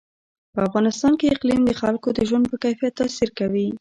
په افغانستان کې اقلیم د خلکو د ژوند په کیفیت تاثیر کوي.